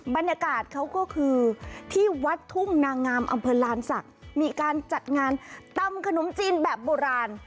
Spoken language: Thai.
บรรยากาศเขาก็คือที่วัดทุ่งนางงามอำเภอลานศักดิ์มีการจัดงานตำขนมจีนแบบโบราณ